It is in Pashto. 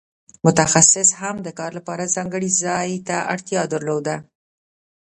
متخصص هم د کار لپاره ځانګړي ځای ته اړتیا درلوده.